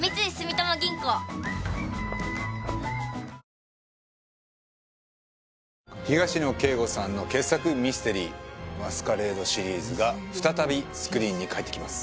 何かね東野圭吾さんの傑作ミステリー「マスカレード」シリーズが再びスクリーンに帰ってきます